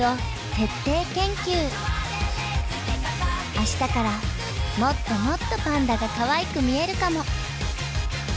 明日からもっともっとパンダがかわいく見えるかも。